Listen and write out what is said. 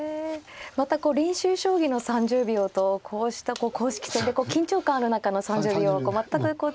またこう練習将棋の３０秒とこうした公式戦で緊張感ある中の３０秒全くこう。